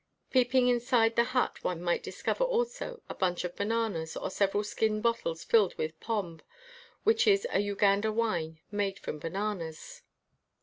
Peeping inside the hut, one might discover also a bunch of ba nanas or several skin bottles filled with pombe, which is a Uganda wine made from bananas.